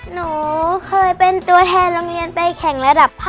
หนูเคยเป็นตัวแทนโรงเรียนไปแข่งระดับ๕